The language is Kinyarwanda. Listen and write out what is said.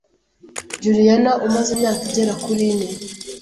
Julian umaze imyaka igera kuri ine